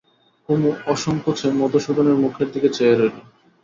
কুমু অসংকোচে মধুসূদনের মুখের দিকে চেয়ে রইল।